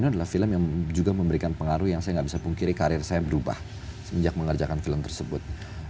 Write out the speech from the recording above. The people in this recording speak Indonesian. pertama pak habibie ainun adalah film yang juga memberikan pengaruh yang saya gak bisa pungkiri karir saya berubah semenjak mengerjakan film tersebut